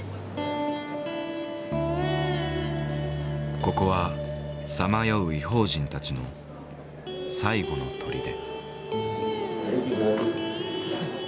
ここはさまよう異邦人たちの最後のとりで。